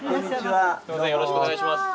よろしくお願いします。